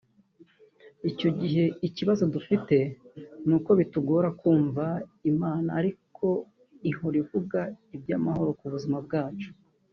Icyo gihe ikibazo dufite ni uko bitugora kumva Imana ariko ihora ivuga iby’ amahoro ku buzima bwacu